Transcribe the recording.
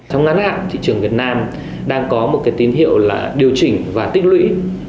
trong ngắn hạn thị trường việt nam đang có một cái tín hiệu là điều chỉnh và tích lũy